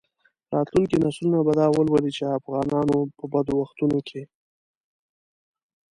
راتلونکي نسلونه به دا ولولي چې افغانانو په بدو وختونو کې.